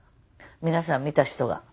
皆さん見た人が。